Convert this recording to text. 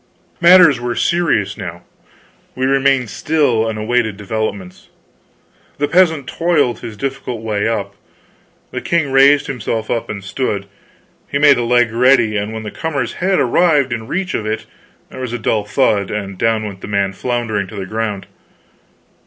Matters were serious now. We remained still, and awaited developments. The peasant toiled his difficult way up. The king raised himself up and stood; he made a leg ready, and when the comer's head arrived in reach of it there was a dull thud, and down went the man floundering to the ground.